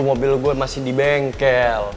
mobil gue masih di bengkel